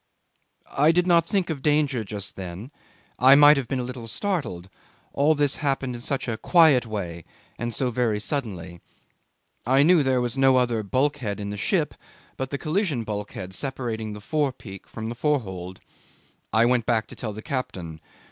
'I did not think of danger just then. I might have been a little startled: all this happened in such a quiet way and so very suddenly. I knew there was no other bulkhead in the ship but the collision bulkhead separating the forepeak from the forehold. I went back to tell the captain.